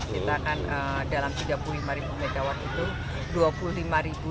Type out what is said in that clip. kita kan dalam tiga puluh lima mw itu